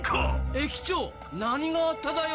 駅長何があっただよ？